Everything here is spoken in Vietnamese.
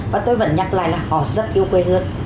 và tôi vẫn nhắc lại là họ rất yêu quê hương